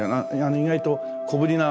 意外と小ぶりな。